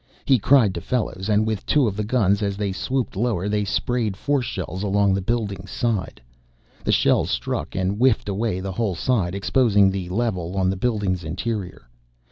He cried to Fellows, and with two of the guns as they swooped lower they sprayed force shells along the building's side. The shells struck and whiffed away the whole side, exposing the level on the building's interior.